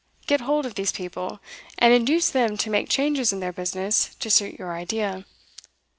Get hold of these people, and induce them to make changes in their business to suit your idea.